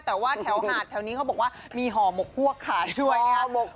แต่ว่าแถวหาดแถวนี้เขาบอกว่ามีห่อหมกพวกขายด้วยนะครับ